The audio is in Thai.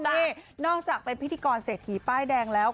นี่นอกจากเป็นพิธีกรเศรษฐีป้ายแดงแล้ว